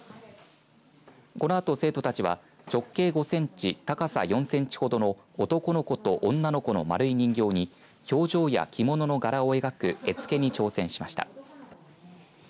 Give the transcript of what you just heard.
このあと生徒たちは直径５センチ高さ４センチほどの男の子と女の子の丸い人形に表情や着物の柄を描く絵付けに挑戦しました。